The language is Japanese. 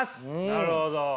なるほど。